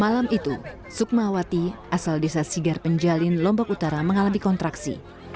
malam itu sukmawati asal desa sigar penjalin lombok utara mengalami kontraksi